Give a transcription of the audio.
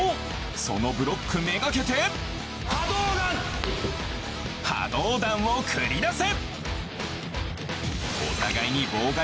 そのブロック目がけてはどうだんを繰り出せ！